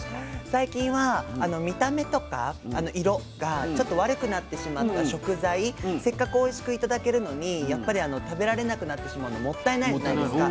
最近は見た目とか色がちょっと悪くなってしまった食材せっかくおいしく頂けるのにやっぱり食べられなくなってしまうのもったいないじゃないですか。